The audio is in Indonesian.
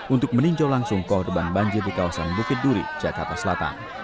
untuk meninjau langsung korban banjir di kawasan bukit duri jakarta selatan